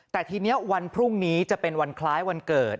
แต่ทีนี้วันพรุ่งนี้จะเป็นวันคล้ายวันเกิด